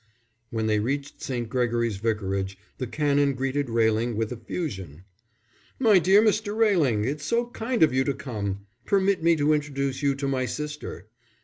When they reached St. Gregory's Vicarage, the Canon greeted Railing with effusion. "My dear Mr. Railing, it's so kind of you to come. Permit me to introduce you to my sister.